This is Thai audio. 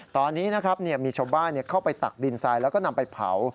ตอนนี้นะครับมีชาวบ้านเข้าไปตักดินทรายแล้วก็นำไปเผา